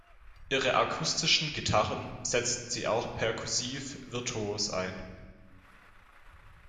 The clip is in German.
Ihre akustischen Gitarren setzen sie auch perkussiv virtuos ein.